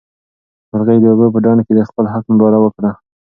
مرغۍ د اوبو په ډنډ کې د خپل حق ننداره وکړه.